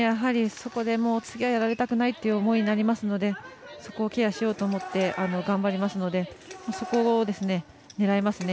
次はやられたくないという思いになりますのでそこをケアしようと思って頑張りますのでそこを狙いますね。